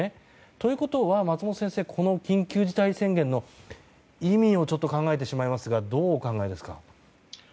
ということは松本先生緊急事態宣言の意味をちょっと考えてしまいますがどうお考えですか。